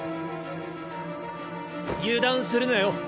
油断するなよ。